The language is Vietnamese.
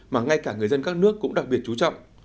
mà ngay cả người dân các nước cũng đặc biệt chú trọng